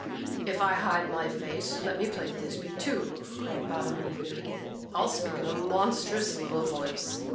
"If I hide my face, let me play Thisby, too," cried Bottom eagerly. "I'll speak in a monstrous little voice.